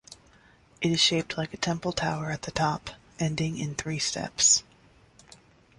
It is shaped like a temple tower at the top, ending in three steps.